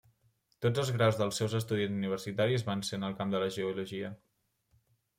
Tots els graus dels seus estudis universitaris van ser en el camp de la geologia.